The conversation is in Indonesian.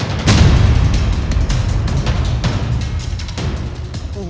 apa yang sebenarnya terjadi disini